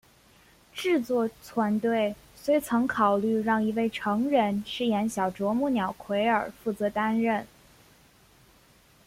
制作团队虽曾考虑让一位成人饰演小啄木鸟奎尔负责担任。